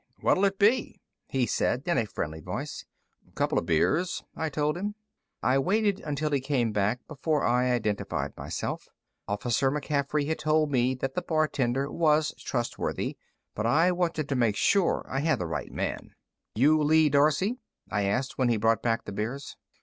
"What'll it be?" he said in a friendly voice. "Couple of beers," I told him. I waited until he came back before I identified myself. Officer McCaffery had told me that the bartender was trustworthy, but I wanted to make sure I had the right man. "You Lee Darcey?" I asked when he brought back the beers.